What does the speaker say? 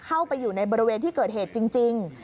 เข้าไปอยู่ในบริเวณที่เกิดเหตุจริง